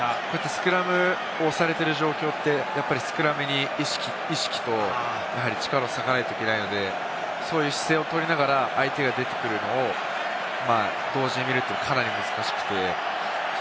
スクラム、押されている状況ってスクラムに意識と力を割かなきゃいけないので、そういう姿勢をとりながら相手が出てくるのを同時に見るというのは、かなり難しくて。